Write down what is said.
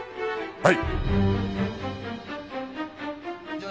はい！